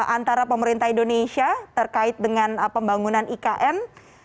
antara pemerintah indonesia terkait dengan pembangunan ikn